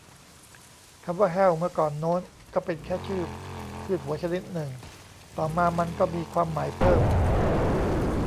คำว่า แห้ว เมื่อก่อนโน้น ก็เป็นแค่ชื่อพืชหัวชนิดนึง ต่อมามันก็มีความหมายเพิ่ม